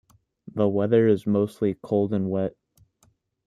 The weather is mostly cold and wet.